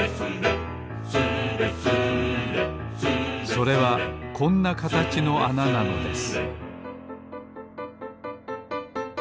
それはこんなかたちのあななのです